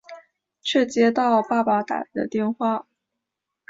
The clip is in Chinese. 却接到爸爸打来的电话